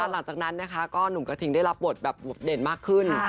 หลังจากนั้นนะคะก็หนุ่มกระทิงได้รับบทแบบเด่นมากขึ้น